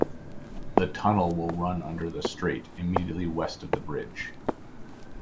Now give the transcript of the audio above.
The tunnel will run under the strait, immediately west of the bridge.